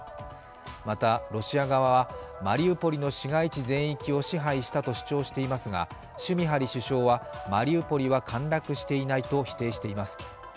またロシア側はマリウポリの市街地全域を支配したと主張していますが、シュミハリ首相はマリウポリは陥落していないと否定しています。